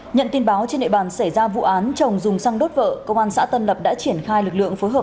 nhận tin báo trên nệ bàn xảy ra vụ án chồng dùng xăng đốt vợ công an xã tân lập đã triển khai lực lượng phối hợp